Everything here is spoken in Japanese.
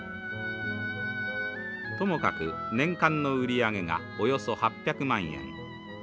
ともかく年間の売り上げがおよそ８００万円。